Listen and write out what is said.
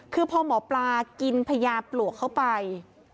คือพอหมอปลากินพญาปลวกเข้าไป